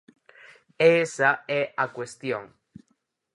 E esa é a cuestión.